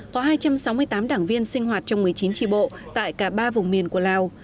có hai trăm sáu mươi tám đảng viên sinh hoạt trong một mươi chín tri bộ tại cả ba vùng miền của lào